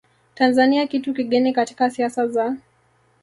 Tanzania kitu kigeni katika siasa za